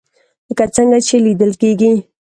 لکه څنګه چې ليدل کېږي